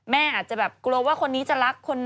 แม่อาจจะแบบกลัวว่าคนนี้จะรักคน